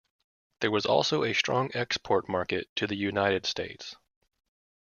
There was also a strong export market to the United States.